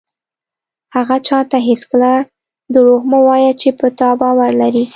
هغه چاته هېڅکله دروغ مه وایه چې په تا باور لري.